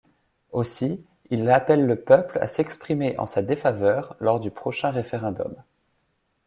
Aussi, il appelle le peuple à s'exprimer en sa défaveur lors du prochain référendum.